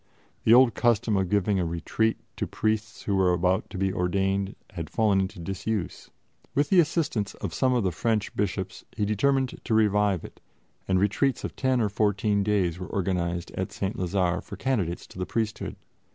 The old custom of giving a retreat to priests who were about to be ordained had fallen into disuse. With the assistance of some of the French bishops he determined to revive it, and retreats of ten or fourteen days were organized at St. Lazare for candidates to the priesthood.